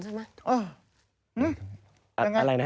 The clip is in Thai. เอาฮะ